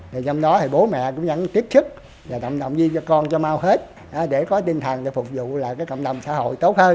trong đó bố mẹ cũng nhắn tiếp sức tạm động duy cho con cho mau hết để có tinh thần phục vụ cộng đồng xã hội tốt hơn